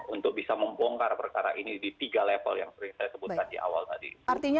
untuk bisa membongkar perkara ini di tiga level yang sering saya sebutkan di awal tadi